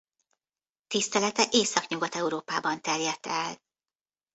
Tisztelete Északnyugat-Európában terjedt el.